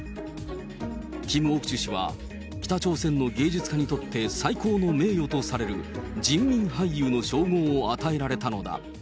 キム・オクチュ氏は、北朝鮮の芸術家にとって最高の名誉とされる、人民俳優の称号を与えられたのだ。